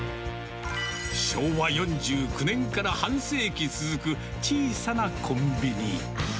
昭和４９年から半世紀続く、小さなコンビニ。